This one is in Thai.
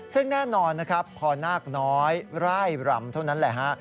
ซึ่งแน่นอนพอนากน้อยร่ายบรรมเท่านั้นแหละ